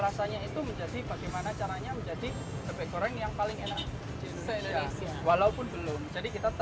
rasanya itu menjadi bagaimana caranya menjadi bebek goreng yang paling enak walaupun belum jadi kita